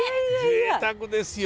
ぜいたくですよ。